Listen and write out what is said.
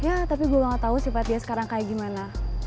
ya tapi gue gak tau sih pak dia sekarang kayak gimana